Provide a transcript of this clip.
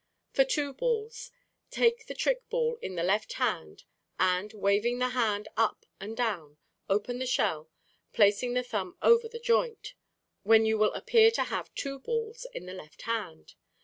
For two balls: Take the trick ball in the left hand, and, waving the hand up and down, open the shell, placing the thumb over the joint, when you will appear to have two balls in the left hand.